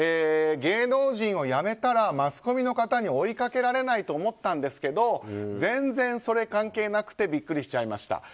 芸能人を辞めたらマスコミの方に追いかけられないと思ったんですけど全然それ関係なくてびっくりしちゃいました。